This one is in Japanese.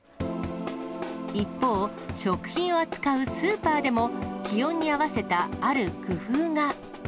一方、食品を扱うスーパーでも、気温に合わせたある工夫が。